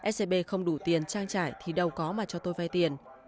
scb không đủ tiền trang trải thì đâu có mà cho tôi vay tiền